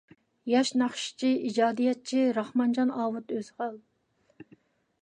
ياش ناخشىچى، ئىجادىيەتچى راخمانجان ئاۋۇت ئۆزھال.